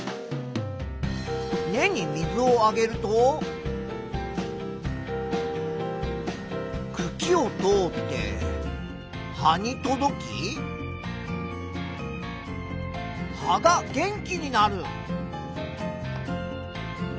根に水をあげるとくきを通って葉に届き葉が元気になる。